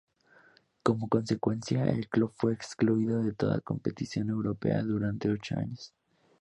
Como consecuencia, el club fue excluido de toda competición europea durante ocho años.